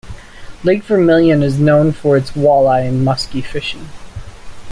Lake Vermilion is known for its walleye and muskie fishing.